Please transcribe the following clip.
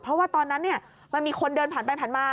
เพราะว่าตอนนั้นมันมีคนเดินผ่านไปผ่านมา